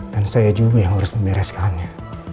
dan saya juga yang harus membereskannya